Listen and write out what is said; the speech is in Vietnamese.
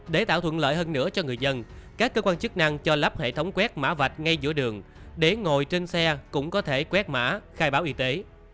để tạo thuận lợi hơn nữa cho người dân các cơ quan chức năng cho lắp hệ thống quét mã vạch ngay giữa đường để ngồi trên xe cũng có thể quét mã khai báo y tế